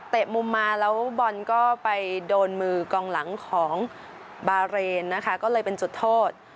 มุมมาแล้วบอลก็ไปโดนมือกองหลังของบาเรนนะคะก็เลยเป็นจุดโทษ